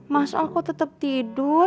mas al kok tetap tidur